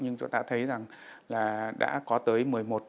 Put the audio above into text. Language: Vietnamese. nhưng chúng ta thấy rằng là đã có tới một mươi một